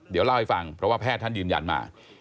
เดี๋ยวเล่าให้ฟังเพราะว่าแพทย์ท่านยืนยันมา